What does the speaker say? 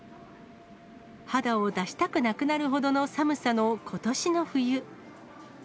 肌を出したくなくなるほどの寒さのことしの冬。